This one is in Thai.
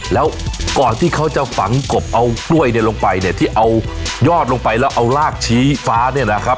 แล้วก่อนที่เขาจะฝังกบเอากล้วยเนี่ยลงไปเนี่ยที่เอายอดลงไปแล้วเอาลากชี้ฟ้าเนี่ยนะครับ